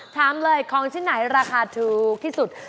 ถามเลยของชิ้นไหนราคาถูกที่สุด